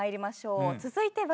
続いては。